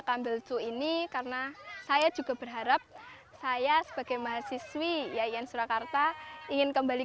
campbell to ini karena saya juga berharap saya sebagai mahasiswi yayan surakarta ingin kembali